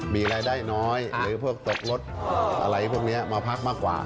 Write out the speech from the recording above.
มีรายได้น้อยหรือพวกตกรถอะไรพวกนี้มาพักมากกว่า